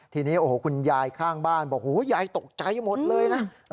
ทีนี้โอ้โหคุณยายข้างบ้านบอกยายตกใจหมดเลยนะ